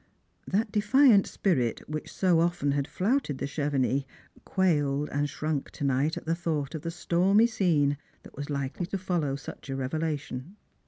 That defiant spirit, which so often had flouted the Chevenix, quaUed and shrunk to night at the thought of the stormy scene that was likely to follow such a revelation.